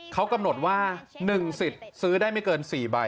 เขากำหนดว่า๑สิทธิ์ซื้อได้ไม่เกิน๔ใบ